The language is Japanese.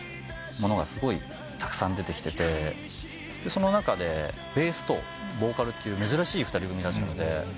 その中でベースとボーカルという珍しい２人組だったので。